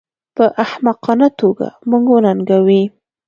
په احمقانه توګه موږ وننګوي